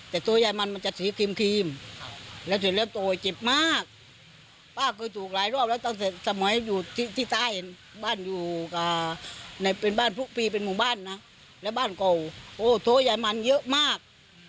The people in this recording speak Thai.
แต่โถไยมันมันจะสีครีมครีมแล้วเสร็จแล้วโตยเจ็บมากป้าเคยถูกหลายรอบแล้วตั้งแต่สมัยอยู่ที่ที่ใต้บ้านอยู่กับในเป็นบ้านผู้พีเป็นหมู่บ้านน่ะแล้วบ้านเก่าโถไยมันเยอะมาก